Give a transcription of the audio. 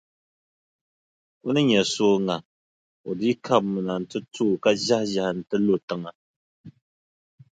O ni nya sooŋa, o dii kabimi na nti to o ka ʒɛhiʒɛhi nti lu tiŋa.